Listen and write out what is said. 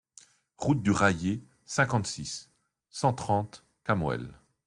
Rue du Raillé, cinquante-six, cent trente Camoël